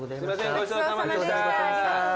ごちそうさまでした。